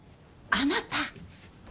あなた！